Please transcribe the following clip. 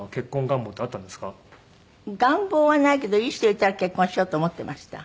願望はないけどいい人いたら結婚しようと思ってました。